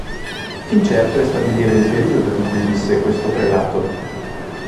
Incerto è stabilire il periodo in cui visse questo prelato.